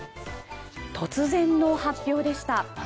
突然の発表でした。